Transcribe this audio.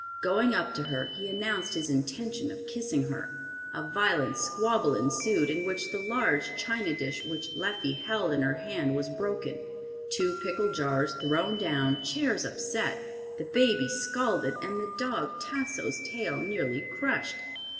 Going up to her, he announced his intention of kissing her. A violent squabble ensued, in which the large china dish which Leffie held in her hand was broken, two pickle jars thrown down, chairs upset, the baby scalded, and the dog Tasso's tail nearly crushed!